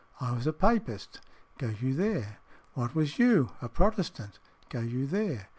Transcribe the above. "I was a Papist." "Go you there." "What was you?" "A Protestant." "Go you there."